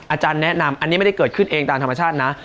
อาจารย์แนะนำอันนี้ไม่ได้เกิดขึ้นเองตามธรรมชาตินะ